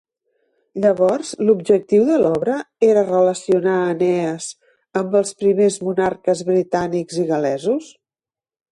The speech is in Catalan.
Llavors, l'objectiu de l'obra era relacionar Enees amb els primers monarques britànics i gal·lesos?